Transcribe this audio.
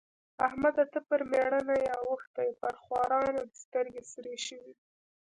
احمده! ته پر مېړه نه يې اوښتی؛ پر خوارانو دې سترګې سرې شوې دي.